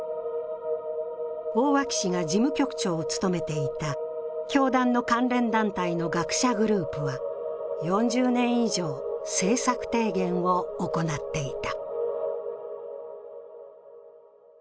大脇氏が事務局長を務めていた教団の関連団体の学者グループは４０年以上、政策提言を行っていた。